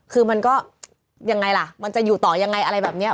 คือมันก็ยังไงล่ะมันจะอยู่ต่อยังไงอะไรแบบนี้